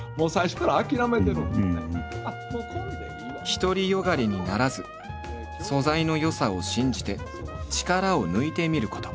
独りよがりにならず素材の良さを信じて力を抜いてみること。